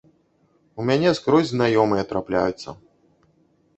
У мяне скрозь знаёмыя трапляюцца.